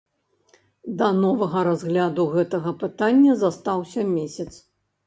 Да новага разгляду гэтага пытання застаўся месяц.